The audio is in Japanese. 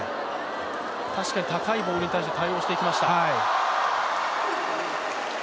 確かに高いボールに対して対応していきました。